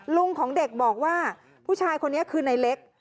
ลุงของเด็กบอกว่าผู้ชายคนนี้คือในเล็ก